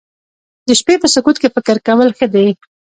د شپې په سکوت کې فکر کول ښه دي